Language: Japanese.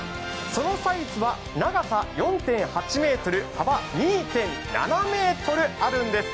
そのサイズは長さ４．８ｍ幅２．７ｍあるんです。